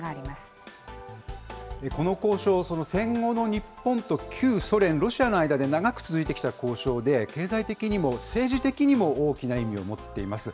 この交渉、戦後の日本と旧ソ連、ロシアの間で長く続いてきた交渉で、経済的にも政治的にも大きな意味を持っています。